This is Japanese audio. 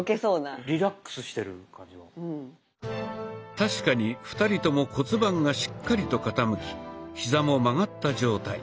確かに２人とも骨盤がしっかりと傾きヒザも曲がった状態。